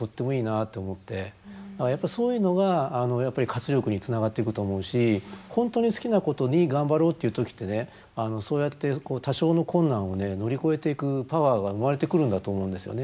やっぱりそういうのが活力につながっていくと思うし本当に好きなことに頑張ろうっていう時ってねそうやって多少の困難を乗り越えていくパワーが生まれてくるんだと思うんですよね。